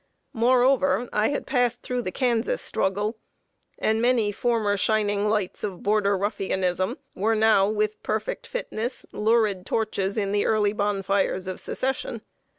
Moreover, I had passed through the Kansas struggle; and many former shining lights of Border Ruffianism were now, with perfect fitness, lurid torches in the early bonfires of Secession.